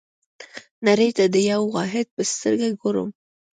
نړۍ ته د یوه واحد په سترګه ګورم.